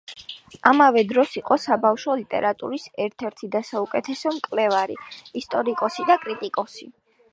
ამავე დროს იყო საბავშვო ლიტერატურის ერთ-ერთი და საუკეთესო მკვლევარი, ისტორიკოსი და კრიტიკოსი.